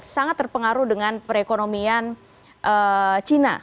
sangat terpengaruh dengan perekonomian china